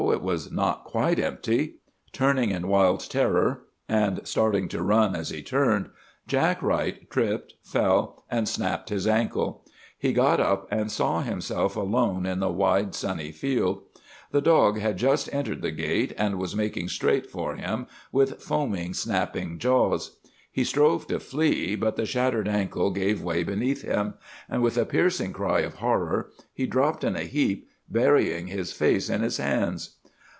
It was not quite empty! Turning in wild terror, and starting to run as he turned, Jack Wright tripped, fell, and snapped his ankle. He got up, and saw himself alone in the wide, sunny field. The dog had just entered the gate, and was making straight for him with foaming, snapping jaws. He strove to flee, but the shattered ankle gave way beneath him; and, with a piercing cry of horror, he dropped in a heap, burying his face in his hands.